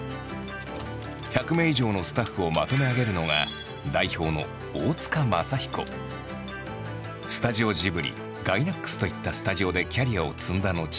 １００名以上のスタッフをまとめ上げるのがスタジオジブリガイナックスといったスタジオでキャリアを積んだ後